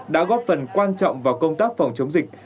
đã góp phần quan trọng vào công tác phòng chống dịch